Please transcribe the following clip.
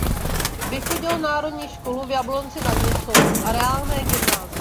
Vychodil národní školu v Jablonci nad Nisou a reálné gymnázium.